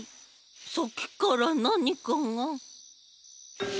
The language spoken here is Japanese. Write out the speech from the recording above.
さっきからなにかが。